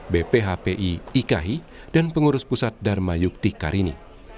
bphpi ikai dan pengurus pusat dharma yukti karini